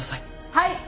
はい。